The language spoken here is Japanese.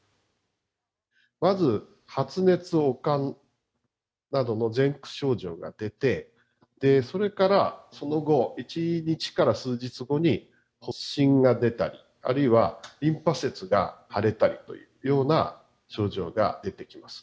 まず発熱、悪寒などの前駆症状が出て、それからその後１日から数日後に発疹が出たり、あるいはリンパ節が腫れたりというような症状が出てきます。